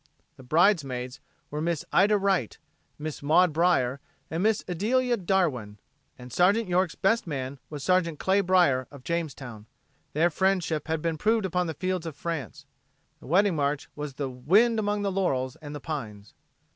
The bridesmaids were Miss Ida Wright, Miss Maud Brier and Miss Adelia Darwin, and Sergeant York's best man was Sergeant Clay Brier, of Jamestown. Their friendship had been proved upon the fields of France. The wedding march was the wind among the laurels and the pines.